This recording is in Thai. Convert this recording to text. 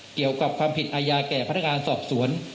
เกี่ยวกับความผิดอาญาแก่พนักงานสอบสวน